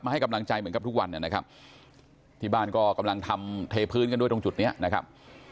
ให้กำลังใจเหมือนกับทุกวันนะครับที่บ้านก็กำลังทำเทพื้นกันด้วยตรงจุดเนี้ยนะครับ